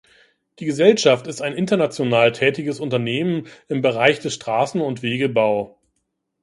Die Gesellschaft ist ein international tätiges Unternehmen im Bereich des Straßen- und Wegebau.